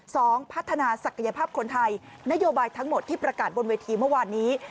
สองพัฒนาศักยภาพคนไทยนโยบายทั้งหมดที่ประกาศบนเวทีเมื่อวานนี้